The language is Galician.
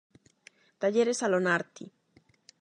Talleres Alonarti.